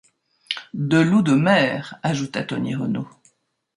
De loup de mer… ajouta Tony Renault.